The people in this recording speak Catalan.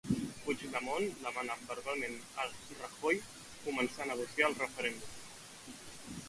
Puigdemont demana verbalment a Rajoy començar a negociar el referèndum.